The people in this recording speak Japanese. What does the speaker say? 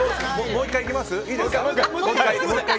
もう１回行きますか？